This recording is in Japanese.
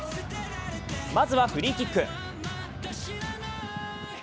まずはフリーキック。